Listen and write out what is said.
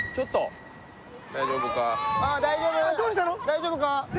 大丈夫か？